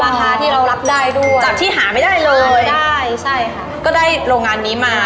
ที่เรารับได้ด้วยจากที่หาไม่ได้เลยได้ใช่ค่ะก็ได้โรงงานนี้มา